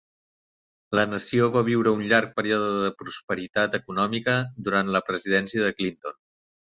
La nació va viure un llarg període de prosperitat econòmica durant la presidència de Clinton.